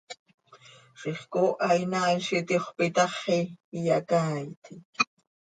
Ziix cooha inaail z itixöp itaxi, iyacaaitic.